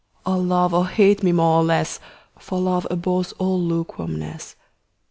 Or love or hate me more or less, 5 For love abhors all lukewarmness.